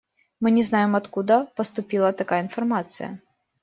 Мы не знаем, откуда поступила такая информация.